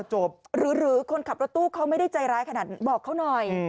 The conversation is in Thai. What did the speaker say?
หรือคนขับรถตู้เขาไม่ได้ใจร้ายขนาดบอกเขาหน่อย